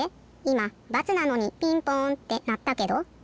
いま×なのにピンポンってなったけど？